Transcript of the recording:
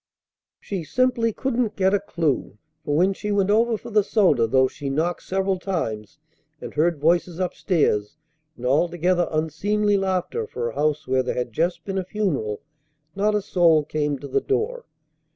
She simply couldn't get a clew; for, when she went over for the soda, though she knocked several times, and heard voices up stairs, and altogether unseemly laughter for a house where there had just been a funeral, not a soul came to the door!